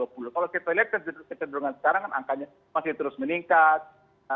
kalau kita lihat kecenderungan sekarang kan angkanya masih terus meningkat